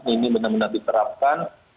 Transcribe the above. ini benar benar diterapkan